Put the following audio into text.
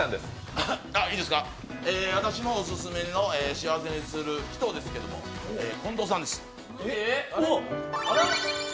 私のオススメの幸せにする人ですけど、近藤さんです。